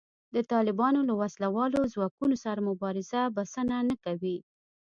د طالبانو له وسله والو ځواکونو سره مبارزه بسنه نه کوي